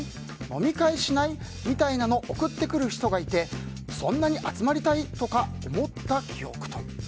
飲み会しない？みたいなの送ってくる人がいてそんなに集まりたい？とか思った記憶と。